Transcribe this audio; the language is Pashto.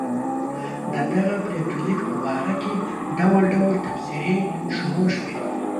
د دغه پرېکړه لیک په باره کې ډول ډول تبصرې شروع شوې.